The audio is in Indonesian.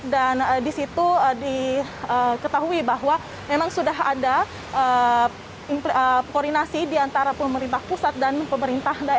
dan di situ diketahui bahwa memang sudah ada koordinasi di antara pemerintah